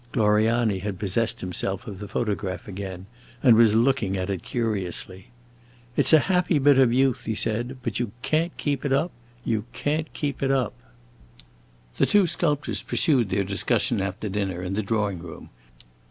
Gloriani had possessed himself of the photograph again, and was looking at it curiously. "It 's a happy bit of youth," he said. "But you can't keep it up you can't keep it up!" The two sculptors pursued their discussion after dinner, in the drawing room.